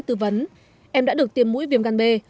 tư vấn em đã được tiêm mũi viêm gắn bê